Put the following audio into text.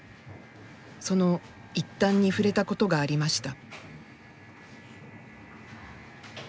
その一端に触れたことがありました。